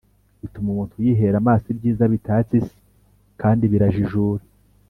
bituma umuntu yihera amaso ibyiza bitatse isi, kandi birajijura